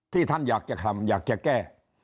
ท่านอยากจะทำอยากจะแก้